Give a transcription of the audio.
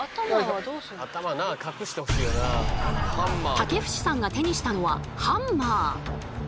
竹節さんが手にしたのはハンマー。